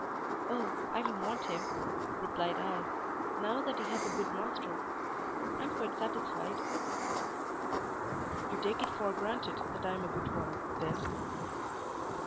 "Oh, I don't want him," replied I, "now that he has a good master; I'm quite satisfied." "You take it for granted that I am a good one, then?"